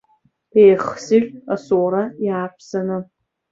Еихсыӷьт асоура иааԥсаны.